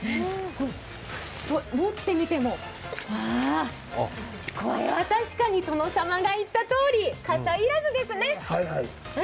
持ってみても、これは確かに殿様が言ったとおり傘要らずですね。